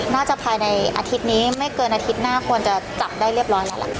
น่าจะภายในอาทิตย์นี้ไม่เกินอาทิตย์หน้าควรจะจับได้เรียบร้อยแล้วล่ะค่ะ